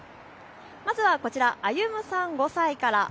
まずはこちら歩さん、５歳から。